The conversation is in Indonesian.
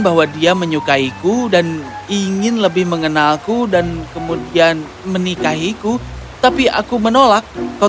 bahwa dia menyukaiku dan ingin lebih mengenalku dan kemudian menikahiku tapi aku menolak kau